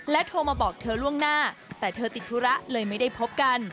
โทรมาบอกเธอล่วงหน้าแต่เธอติดธุระเลยไม่ได้พบกัน